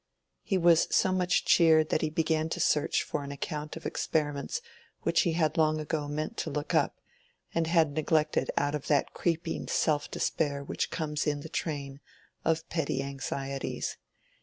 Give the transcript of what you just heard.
He was so much cheered that he began to search for an account of experiments which he had long ago meant to look up, and had neglected out of that creeping self despair which comes in the train of petty anxieties.